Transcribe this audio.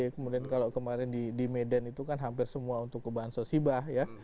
kemudian kalau kemarin di medan itu kan hampir semua untuk kebahan sosibah ya